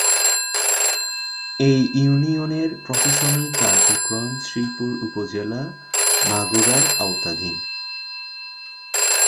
এ ইউনিয়নের প্রশাসনিক কার্যক্রম শ্রীপুর উপজেলা, মাগুরার আওতাধীন।